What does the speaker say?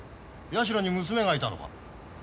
矢代に娘がいたのか。